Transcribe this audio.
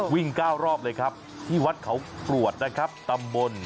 วิ่ง๙รอบเลยครับที่วัดเขาปรวดนะครับ